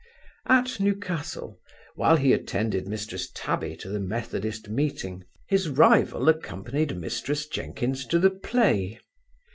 At Newcastle, while he attended Mrs Tabby to the methodist meeting his rival accompanied Mrs Jenkins to the play.